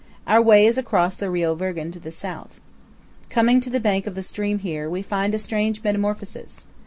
Our way is across the Rio Virgen to the south. Coming to the bank of the stream here, we find a strange metamorphosis.